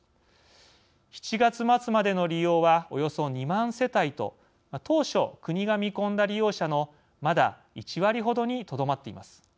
７月末までの利用はおよそ２万世帯と当初、国が見込んだ利用者のまだ１割ほどにとどまっています。